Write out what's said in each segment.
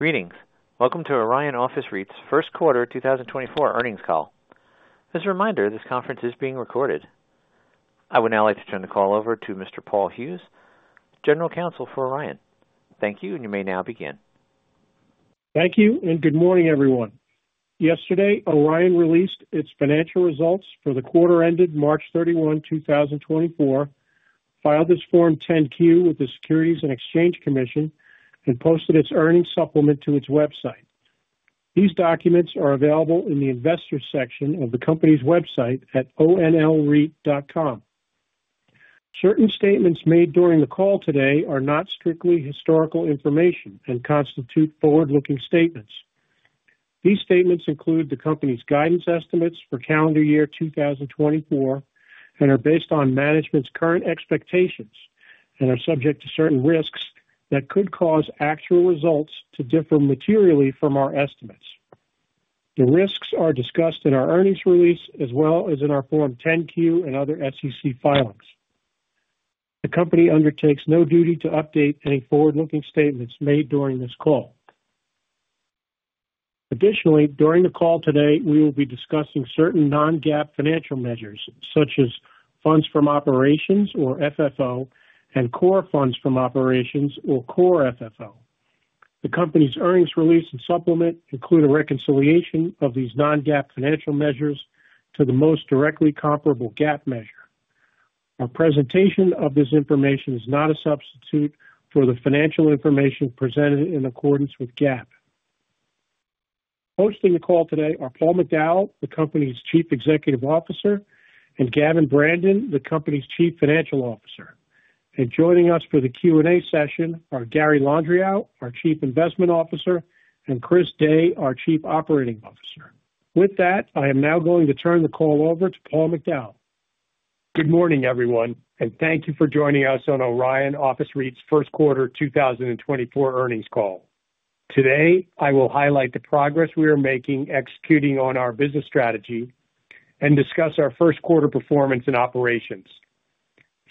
Greetings. Welcome to Orion Office REIT's First Quarter 2024 Earnings Call. As a reminder, this conference is being recorded. I would now like to turn the call over to Mr. Paul Hughes, General Counsel for Orion. Thank you, and you may now begin. Thank you, and good morning, everyone. Yesterday, Orion released its financial results for the quarter ended March 31, 2024, filed its Form 10-Q with the Securities and Exchange Commission, and posted its earnings supplement to its website. These documents are available in the investors section of the company's website at onlreit.com. Certain statements made during the call today are not strictly historical information and constitute forward-looking statements. These statements include the company's guidance estimates for calendar year 2024 and are based on management's current expectations and are subject to certain risks that could cause actual results to differ materially from our estimates. The risks are discussed in our earnings release as well as in our Form 10-Q and other SEC filings. The company undertakes no duty to update any forward-looking statements made during this call. Additionally, during the call today, we will be discussing certain non-GAAP financial measures, such as funds from operations, or FFO, and core funds from operations, or core FFO. The company's earnings release and supplement include a reconciliation of these non-GAAP financial measures to the most directly comparable GAAP measure. Our presentation of this information is not a substitute for the financial information presented in accordance with GAAP. Hosting the call today are Paul McDowell, the company's Chief Executive Officer, and Gavin Brandon, the company's Chief Financial Officer. Joining us for the Q&A session are Gary Landriau, our Chief Investment Officer, and Chris Day, our Chief Operating Officer. With that, I am now going to turn the call over to Paul McDowell. Good morning, everyone, and thank you for joining us on Orion Office REIT's First Quarter 2024 Earnings Call. Today, I will highlight the progress we are making executing on our business strategy and discuss our first quarter performance and operations.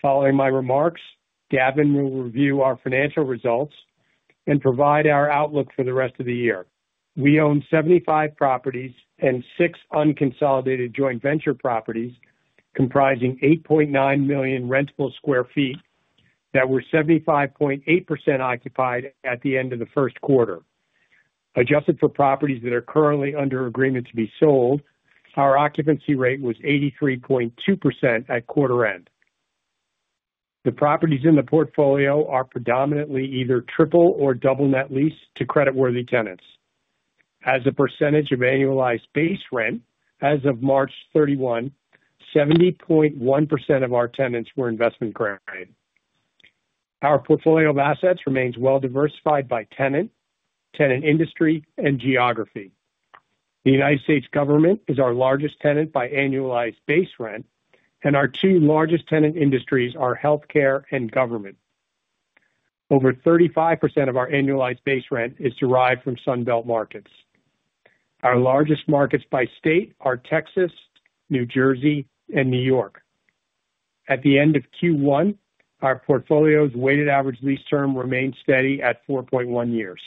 Following my remarks, Gavin will review our financial results and provide our outlook for the rest of the year. We own 75 properties and six unconsolidated joint venture properties, comprising 8.9 million rentable sq ft that were 75.8% occupied at the end of the first quarter. Adjusted for properties that are currently under agreement to be sold, our occupancy rate was 83.2% at quarter end. The properties in the portfolio are predominantly either triple or double net lease to creditworthy tenants. As a percentage of annualized base rent, as of March 31, 70.1% of our tenants were investment grade. Our portfolio of assets remains well diversified by tenant, tenant industry, and geography. The United States Government is our largest tenant by annualized base rent, and our two largest tenant industries are healthcare and government. Over 35% of our annualized base rent is derived from Sun Belt markets. Our largest markets by state are Texas, New Jersey, and New York. At the end of Q1, our portfolio's weighted average lease term remained steady at 4.1 years.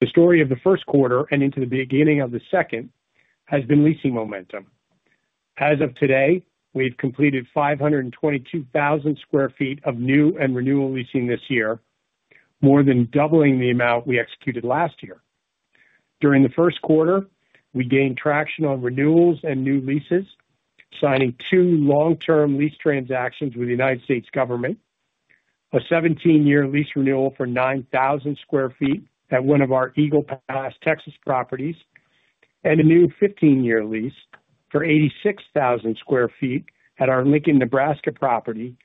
The story of the first quarter and into the beginning of the second has been leasing momentum. As of today, we've completed 522,000 sq ft of new and renewal leasing this year, more than doubling the amount we executed last year. During the first quarter, we gained traction on renewals and new leases, signing two long-term lease transactions with the United States Government, a 17-year lease renewal for 9,000 sq ft at one of our Eagle Pass, Texas, properties, and a new 15-year lease for 86,000 sq ft at our Lincoln, Nebraska, property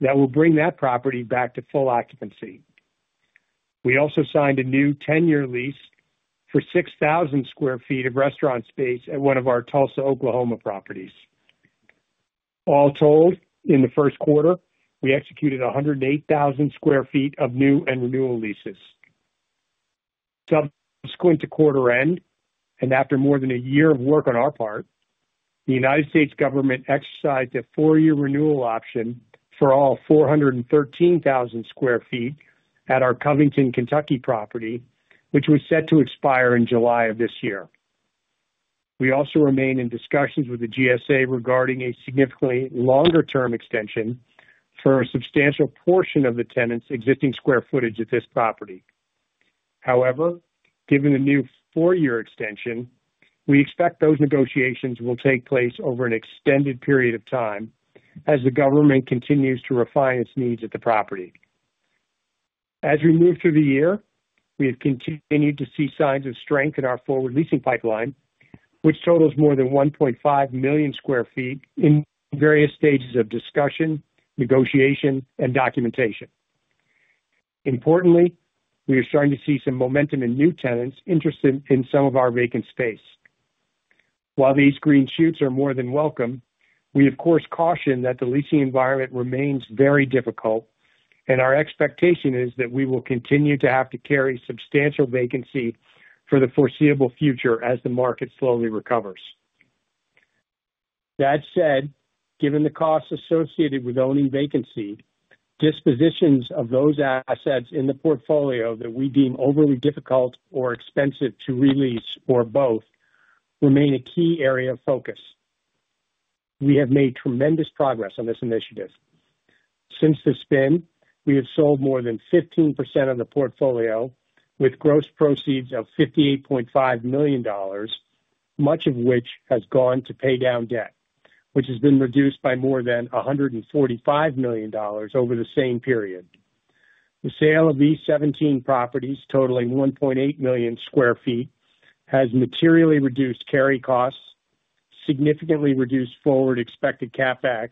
that will bring that property back to full occupancy. We also signed a new 10-year lease for 6,000 sq ft of restaurant space at one of our Tulsa, Oklahoma, properties. All told, in the first quarter, we executed 108,000 sq ft of new and renewal leases. Subsequent to quarter end, and after more than a year of work on our part, the United States government exercised a four-year renewal option for all 413,000 sq ft at our Covington, Kentucky, property, which was set to expire in July of this year. We also remain in discussions with the GSA regarding a significantly longer-term extension for a substantial portion of the tenant's existing square footage at this property. However, given the new four-year extension, we expect those negotiations will take place over an extended period of time as the government continues to refine its needs at the property. As we move through the year, we have continued to see signs of strength in our forward leasing pipeline, which totals more than 1.5 million sq ft in various stages of discussion, negotiation, and documentation. Importantly, we are starting to see some momentum in new tenants interested in some of our vacant space. While these green shoots are more than welcome, we of course caution that the leasing environment remains very difficult, and our expectation is that we will continue to have to carry substantial vacancy for the foreseeable future as the market slowly recovers. That said, given the costs associated with owning vacancy, dispositions of those assets in the portfolio that we deem overly difficult or expensive to re-lease or both, remain a key area of focus. We have made tremendous progress on this initiative. Since the spin, we have sold more than 15% of the portfolio, with gross proceeds of $58.5 million, much of which has gone to pay down debt, which has been reduced by more than $145 million over the same period. The sale of these 17 properties, totaling 1.8 million sq ft, has materially reduced carry costs, significantly reduced forward expected CapEx,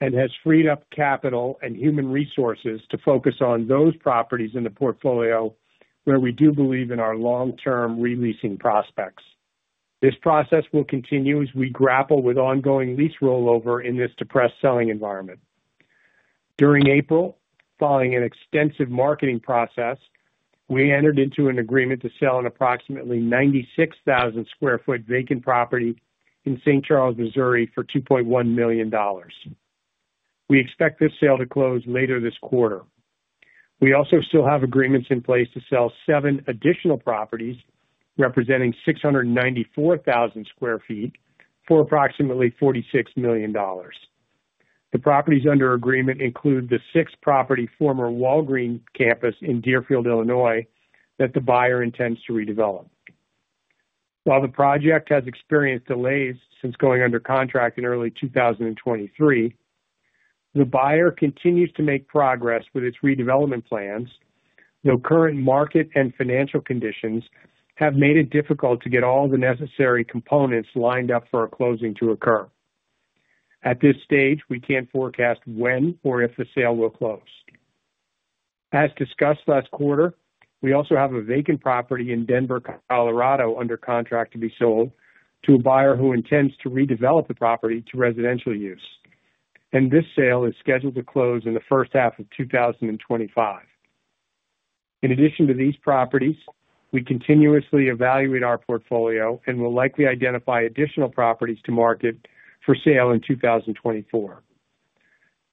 and has freed up capital and human resources to focus on those properties in the portfolio where we do believe in our long-term re-leasing prospects. This process will continue as we grapple with ongoing lease rollover in this depressed selling environment. During April, following an extensive marketing process, we entered into an agreement to sell an approximately 96,000 sq ft vacant property in St. Charles, Missouri, for $2.1 million. We expect this sale to close later this quarter. We also still have agreements in place to sell seven additional properties, representing 694,000 sq ft for approximately $46 million. The properties under agreement include the six-property former Walgreens campus in Deerfield, Illinois, that the buyer intends to redevelop. While the project has experienced delays since going under contract in early 2023, the buyer continues to make progress with its redevelopment plans, though current market and financial conditions have made it difficult to get all the necessary components lined up for a closing to occur. At this stage, we can't forecast when or if the sale will close. As discussed last quarter, we also have a vacant property in Denver, Colorado, under contract to be sold to a buyer who intends to redevelop the property to residential use, and this sale is scheduled to close in the first half of 2025. In addition to these properties, we continuously evaluate our portfolio and will likely identify additional properties to market for sale in 2024.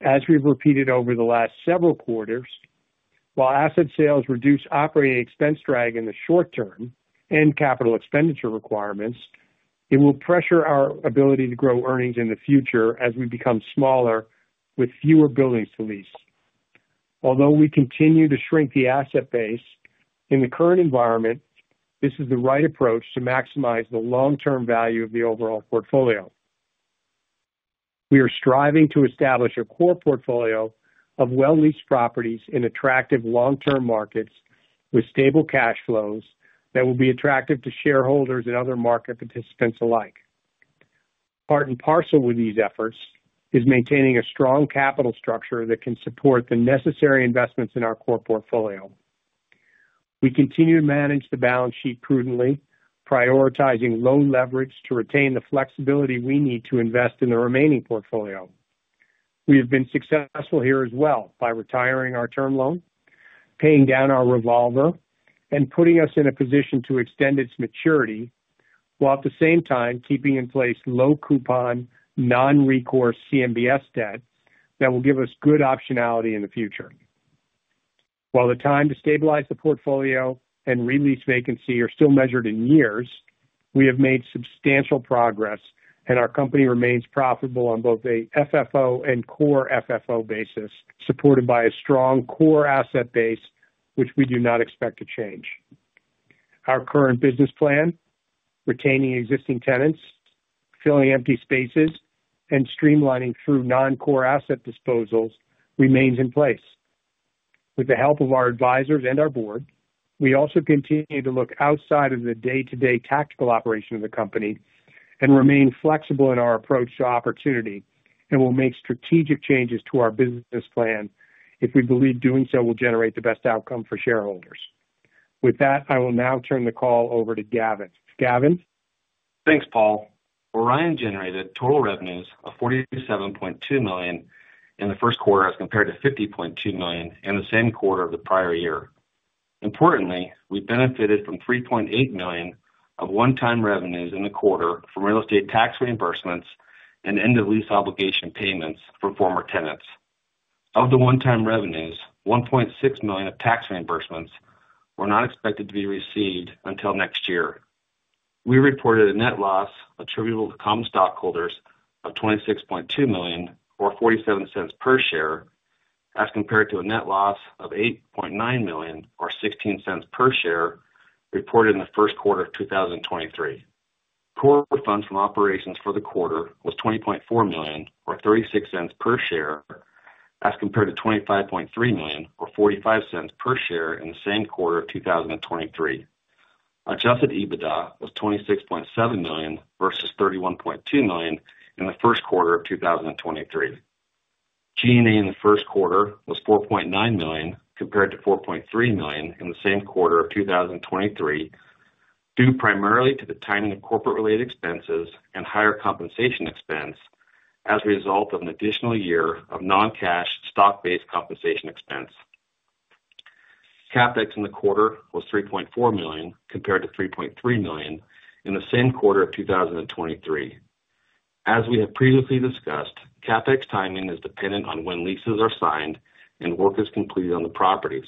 As we've repeated over the last several quarters, while asset sales reduce operating expense drag in the short term and capital expenditure requirements, it will pressure our ability to grow earnings in the future as we become smaller with fewer buildings to lease. Although we continue to shrink the asset base, in the current environment, this is the right approach to maximize the long-term value of the overall portfolio. We are striving to establish a core portfolio of well-leased properties in attractive long-term markets with stable cash flows that will be attractive to shareholders and other market participants alike. Part and parcel with these efforts is maintaining a strong capital structure that can support the necessary investments in our core portfolio. We continue to manage the balance sheet prudently, prioritizing loan leverage to retain the flexibility we need to invest in the remaining portfolio. We have been successful here as well by retiring our term loan, paying down our revolver, and putting us in a position to extend its maturity, while at the same time keeping in place low coupon, non-recourse CMBS debt that will give us good optionality in the future. While the time to stabilize the portfolio and re-lease vacancy are still measured in years, we have made substantial progress, and our company remains profitable on both a FFO and Core FFO basis, supported by a strong core asset base, which we do not expect to change. Our current business plan, retaining existing tenants, filling empty spaces, and streamlining through non-core asset disposals, remains in place. With the help of our advisors and our board, we also continue to look outside of the day-to-day tactical operation of the company and remain flexible in our approach to opportunity, and we'll make strategic changes to our business plan if we believe doing so will generate the best outcome for shareholders. With that, I will now turn the call over to Gavin. Gavin? Thanks, Paul. Orion generated total revenues of $47.2 million in the first quarter, as compared to $50.2 million in the same quarter of the prior year. Importantly, we benefited from $3.8 million of one-time revenues in the quarter from real estate tax reimbursements and end of lease obligation payments for former tenants. Of the one-time revenues, $1.6 million of tax reimbursements were not expected to be received until next year. We reported a net loss attributable to common stockholders of $26.2 million or $0.47 per share, as compared to a net loss of $8.9 million or $0.16 per share reported in the first quarter of 2023. Core Funds from Operations for the quarter was $20.4 million or $0.36 per share, as compared to $25.3 million or $0.45 per share in the same quarter of 2023. Adjusted EBITDA was $26.7 million versus $31.2 million in the first quarter of 2023. G&A in the first quarter was $4.9 million, compared to $4.3 million in the same quarter of 2023, due primarily to the timing of corporate related expenses and higher compensation expense as a result of an additional year of non-cash stock-based compensation expense. CapEx in the quarter was $3.4 million, compared to $3.3 million in the same quarter of 2023. As we have previously discussed, CapEx timing is dependent on when leases are signed and work is completed on the properties.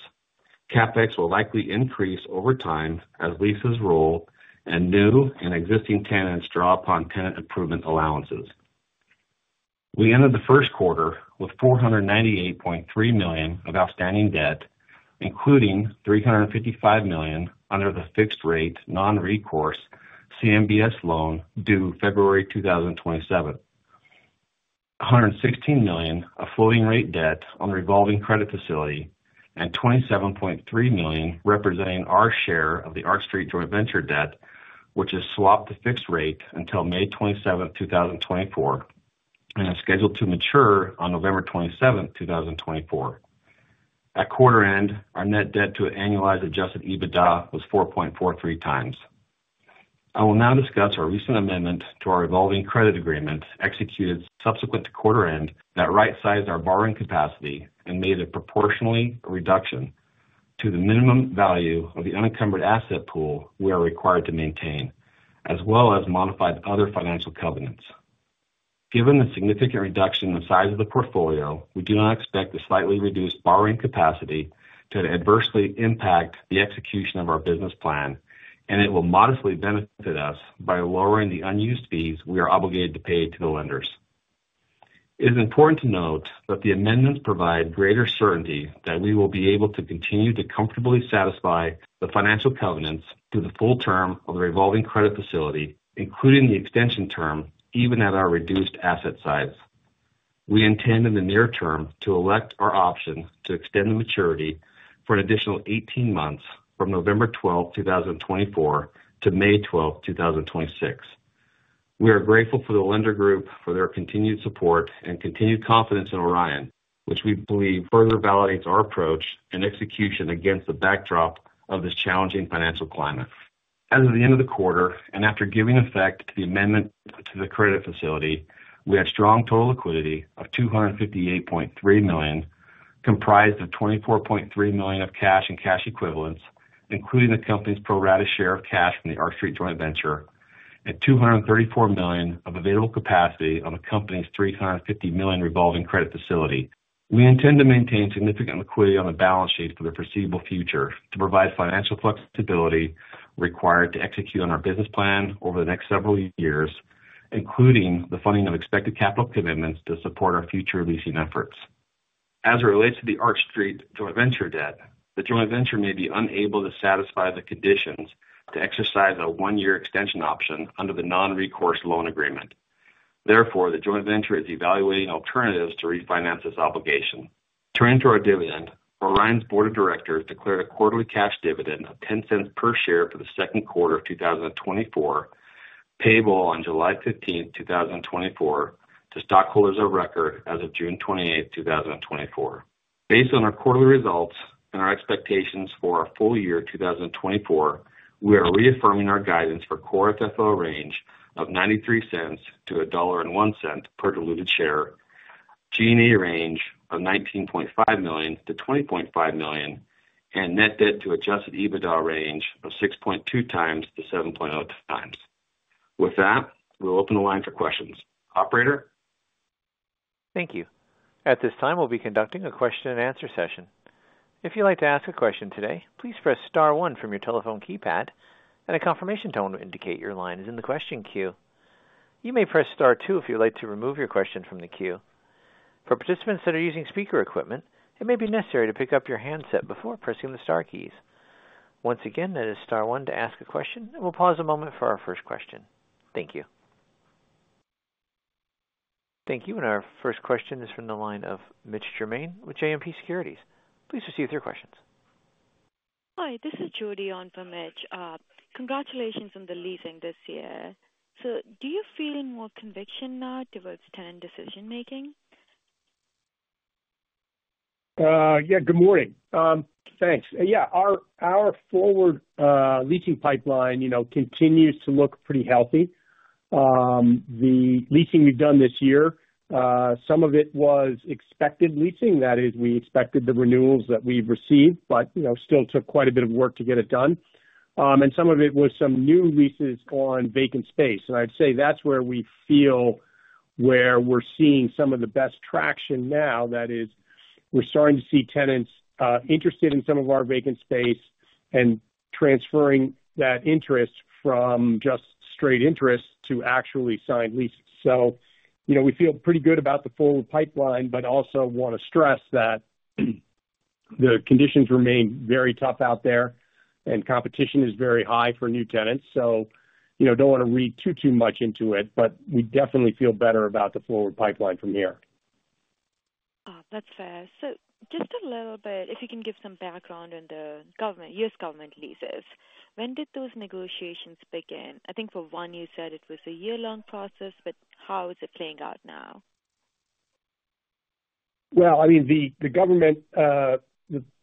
CapEx will likely increase over time as leases roll and new and existing tenants draw upon tenant improvement allowances. We ended the first quarter with $498.3 million of outstanding debt, including $355 million under the fixed rate non-recourse CMBS loan, due February 2027, $116 million of floating rate debt on revolving credit facility, and $27.3 million, representing our share of the Arch Street Joint Venture debt, which is swapped to fixed rate until May 27th, 2024, and is scheduled to mature on November 27th, 2024. At quarter end, our net debt to annualized adjusted EBITDA was 4.43x. I will now discuss our recent amendment to our revolving credit agreement, executed subsequent to quarter end, that right-sized our borrowing capacity and made a proportionally reduction to the minimum value of the unencumbered asset pool we are required to maintain, as well as modified other financial covenants. Given the significant reduction in the size of the portfolio, we do not expect the slightly reduced borrowing capacity to adversely impact the execution of our business plan, and it will modestly benefit us by lowering the unused fees we are obligated to pay to the lenders. It is important to note that the amendments provide greater certainty that we will be able to continue to comfortably satisfy the financial covenants through the full term of the revolving credit facility, including the extension term, even at our reduced asset size. We intend, in the near term, to elect our option to extend the maturity for an additional 18 months from November 12, 2024 to May 12, 2026. We are grateful for the lender group for their continued support and continued confidence in Orion, which we believe further validates our approach and execution against the backdrop of this challenging financial climate. As of the end of the quarter, and after giving effect to the amendment to the credit facility, we had strong total liquidity of $258.3 million, comprised of $24.3 million of cash and cash equivalents, including the company's pro rata share of cash from the Arch Street Joint Venture, and $234 million of available capacity on the company's $350 million revolving credit facility. We intend to maintain significant liquidity on the balance sheet for the foreseeable future to provide financial flexibility required to execute on our business plan over the next several years, including the funding of expected capital commitments to support our future leasing efforts. As it relates to the Arch Street Joint Venture debt, the joint venture may be unable to satisfy the conditions to exercise a one-year extension option under the non-recourse loan agreement. Therefore, the joint venture is evaluating alternatives to refinance this obligation. Turning to our dividend, Orion's board of directors declared a quarterly cash dividend of $0.10 per share for the second quarter of 2024, payable on July 15, 2024, to stockholders of record as of June 28, 2024. Based on our quarterly results and our expectations for our full year, 2024, we are reaffirming our guidance for Core FFO range of $0.93-$1.01 per diluted share, G&A range of $19.5 million-$20.5 million, and net debt to Adjusted EBITDA range of 6.2x-7.0x. With that, we'll open the line for questions. Operator? Thank you. At this time, we'll be conducting a question-and-answer session. If you'd like to ask a question today, please press star one from your telephone keypad, and a confirmation tone will indicate your line is in the question queue. You may press star two if you'd like to remove your question from the queue. For participants that are using speaker equipment, it may be necessary to pick up your handset before pressing the star keys. Once again, that is star one to ask a question, and we'll pause a moment for our first question. Thank you. Thank you. And our first question is from the line of Mitch Germain with JMP Securities. Please proceed with your questions. Hi, this is Jyoti on for Mitch. Congratulations on the leasing this year. So do you feel more conviction now towards tenant decision making? Yeah, good morning. Thanks. Yeah, our forward leasing pipeline, you know, continues to look pretty healthy. The leasing we've done this year, some of it was expected leasing. That is, we expected the renewals that we've received, but, you know, still took quite a bit of work to get it done. Some of it was some new leases on vacant space, and I'd say that's where we feel we're seeing some of the best traction now. That is, we're starting to see tenants interested in some of our vacant space and transferring that interest from just straight interest to actually signed leases. So, you know, we feel pretty good about the forward pipeline, but also want to stress that the conditions remain very tough out there, and competition is very high for new tenants. So, you know, don't want to read too, too much into it, but we definitely feel better about the forward pipeline from here. That's fair. So just a little bit, if you can give some background on the government, U.S. government leases, when did those negotiations begin? I think for one, you said it was a year-long process, but how is it playing out now? Well, I mean, the government, the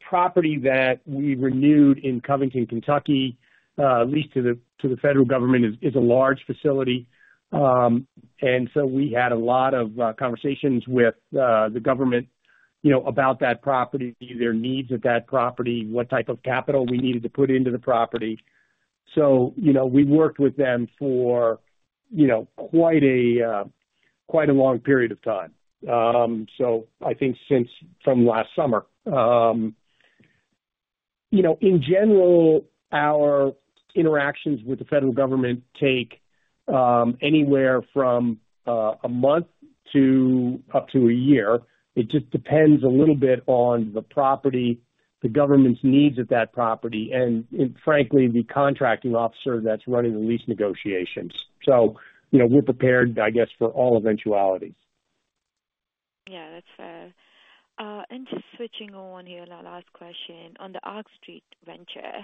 property that we renewed in Covington, Kentucky, leased to the federal government, is a large facility. And so we had a lot of conversations with the government, you know, about that property, their needs at that property, what type of capital we needed to put into the property.... So, you know, we've worked with them for, you know, quite a long period of time. So I think since from last summer. You know, in general, our interactions with the federal government take anywhere from a month to up to a year. It just depends a little bit on the property, the government's needs at that property, and frankly, the contracting officer that's running the lease negotiations. So, you know, we're prepared, I guess, for all eventualities. Yeah, that's fair. And just switching on here, our last question on the Arch Street venture.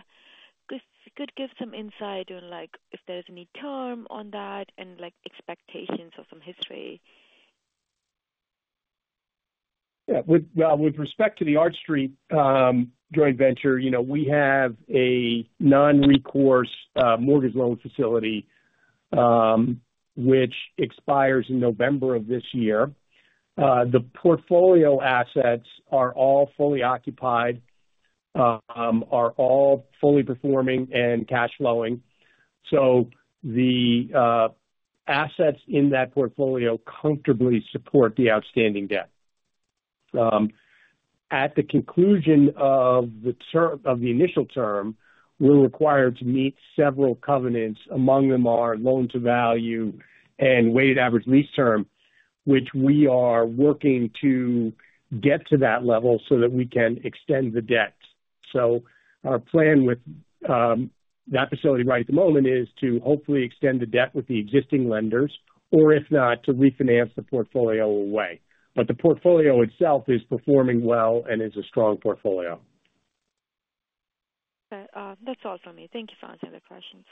Could you give some insight on, like, if there's any term on that and, like, expectations or some history? Yeah. With, well, with respect to the Arch Street joint venture, you know, we have a non-recourse mortgage loan facility, which expires in November of this year. The portfolio assets are all fully occupied, are all fully performing and cash flowing, so the assets in that portfolio comfortably support the outstanding debt. At the conclusion of the initial term, we're required to meet several covenants. Among them are loan to value and weighted average lease term, which we are working to get to that level so that we can extend the debt. So our plan with that facility right at the moment is to hopefully extend the debt with the existing lenders or, if not, to refinance the portfolio away. But the portfolio itself is performing well and is a strong portfolio. That's all from me. Thank you for answering the questions.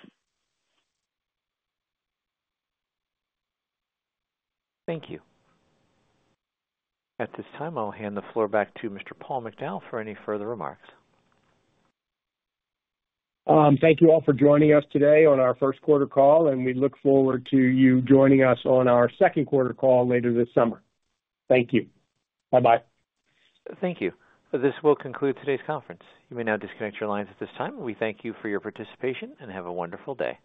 Thank you. At this time, I'll hand the floor back to Mr. Paul McDowell for any further remarks. Thank you all for joining us today on our first quarter call, and we look forward to you joining us on our second quarter call later this summer. Thank you. Bye-bye. Thank you. This will conclude today's conference. You may now disconnect your lines at this time. We thank you for your participation, and have a wonderful day.